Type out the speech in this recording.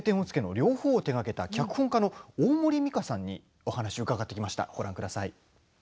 両方を手がけた脚本家の大森美香さんにお話を伺ってきました。